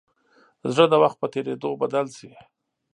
زړه د وخت په تېرېدو بدل شي.